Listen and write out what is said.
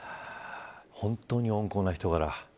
本当に温厚なお人柄。